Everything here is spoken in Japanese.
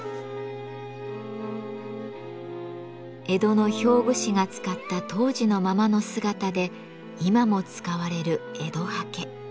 江戸の表具師が使った当時のままの姿で今も使われる江戸刷毛。